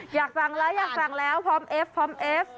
อยากสั่งแล้วอยากสั่งแล้วพร้อมเอฟพร้อมเอฟ